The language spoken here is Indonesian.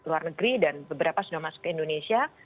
sedang marak di luar negeri dan beberapa sudah masuk ke indonesia